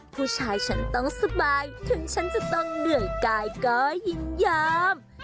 ผู้ชายฉันต้องสบายถึงฉันจะต้องเหนื่อยกายก็ยินยอม